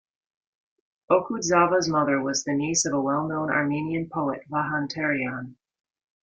Okudzava's mother was the niece of a well-known Armenian poet, Vahan Terian.